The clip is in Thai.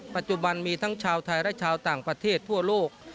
ปัจจุบันมีทั้งชาวไทยและชาวต่างประเทศทั่วโลก